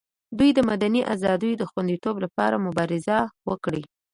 دوی د مدني ازادیو د خوندیتابه لپاره مبارزه وکړي.